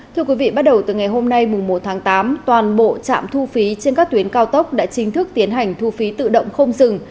thưa quý vị bắt đầu từ ngày hôm nay một tháng tám toàn bộ trạm thu phí trên các tuyến cao tốc đã chính thức tiến hành thu phí tự động không dừng